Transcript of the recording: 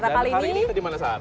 nah kali ini kita di mana sar